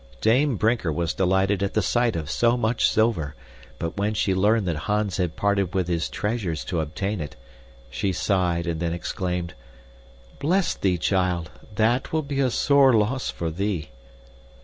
Dame Brinker was delighted at the sight of so much silver, but when she learned that Hans had parted with his treasures to obtain it, she sighed and then exclaimed, "Bless thee, child! That will be a sore loss for thee!"